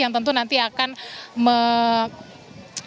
yang tentu nanti akan memeriahkan apa namanya liburan para pengunjung di wisata ancol